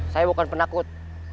saya bukan penakut